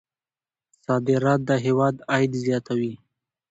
صادرات د هېواد عاید زیاتوي.